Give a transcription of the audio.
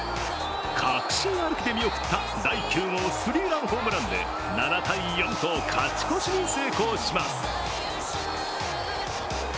確信歩きで見送った第９号スリーランホームランで７−４と勝ち越しに成功します。